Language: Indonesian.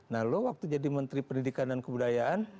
nah lo waktu jadi menteri pendidikan dan kebudayaan